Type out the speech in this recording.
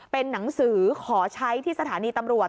เป็นหนังสือขอใช้ที่สถานีตำรวจ